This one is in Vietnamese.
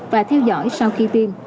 và theo dõi sau khi tiêm